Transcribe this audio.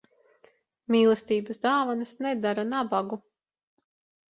Mīlestības dāvanas nedara nabagu.